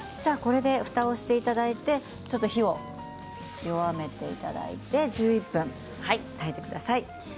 これでふたをしていただいて火を弱めていただいて１１分炊いてください。